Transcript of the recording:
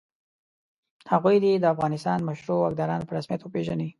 هغوی دې د افغانستان مشروع واکداران په رسمیت وپېژني.